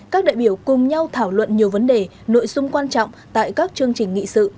các đại biểu cùng nhau thảo luận nhiều vấn đề nội dung quan trọng tại các chương trình nghị sự